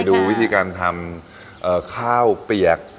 ดูวิธีการทำข้าวเปียก